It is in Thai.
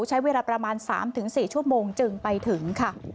ใช้เวลาประมาณ๓๔ชั่วโมงจึงไปถึงค่ะ